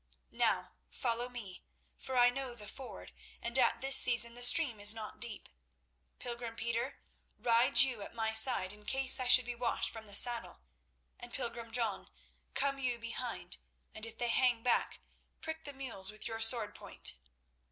Now follow me, for I know the ford, and at this season the stream is not deep. Pilgrim Peter, ride you at my side in case I should be washed from the saddle; and pilgrim John, come you behind, and if they hang back, prick the mules with your sword point."